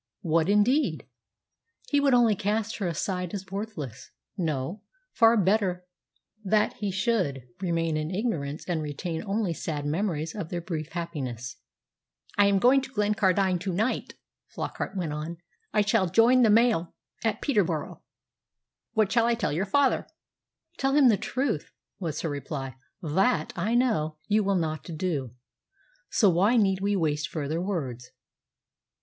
What indeed? He would only cast her aside as worthless. No. Far better that he should remain in ignorance and retain only sad memories of their brief happiness. "I am going to Glencardine to night," Flockart went on. "I shall join the mail at Peterborough. What shall I tell your father?" "Tell him the truth," was her reply. "That, I know, you will not do. So why need we waste further words?"